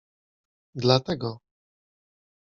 Dlatego.